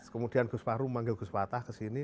kemudian gus fahru memanggil gus patah ke sini